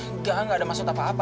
enggak enggak ada maksud apa apa